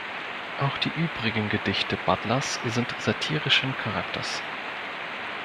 Auch die übrigen Gedichte Butlers sind satirischen Charakters.